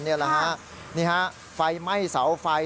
นี่ฮะไฟไหม้เสาไฟ